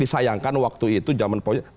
disayangkan waktu itu zaman pohon